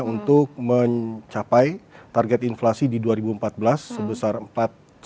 untuk mencapai target inflasi di dua ribu empat belas sebesar empat lima plus minus satu